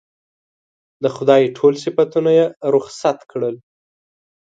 د خدای ټول صفتونه یې رخصت کړل.